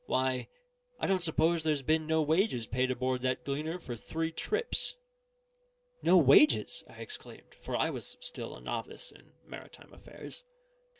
"Why, I don't suppose there's been no wages paid aboard that Gleaner for three trips." "No wages?" I exclaimed, for I was still a novice in maritime affairs.